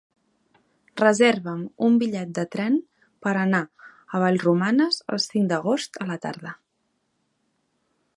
Reserva'm un bitllet de tren per anar a Vallromanes el cinc d'agost a la tarda.